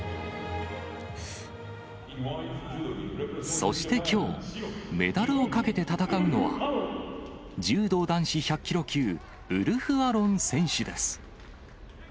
そしてきょう、メダルをかけて戦うのは、柔道男子１００キロ級、ウルフ・アロン選手です。